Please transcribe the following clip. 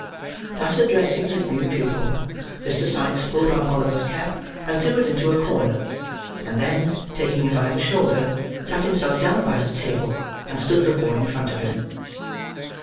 Thus addressing his new pupil, Mr. Sikes pulled off Oliver's cap and threw it into a corner; and then, taking him by the shoulder, sat himself down by the table, and stood the boy in front of him.